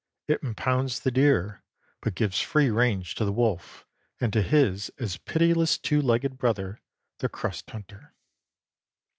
It impounds the deer, but gives free range to the wolf and to his as pitiless two legged brother, the crust hunter.